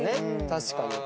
確かに。